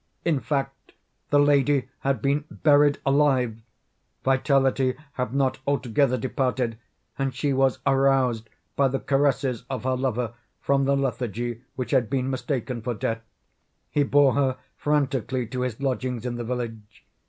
In fact, the lady had been buried alive. Vitality had not altogether departed, and she was aroused by the caresses of her lover from the lethargy which had been mistaken for death. He bore her frantically to his lodgings in the village.